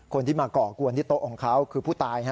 คนที่มาก่อกวนที่โต๊ะของเขาคือผู้ตาย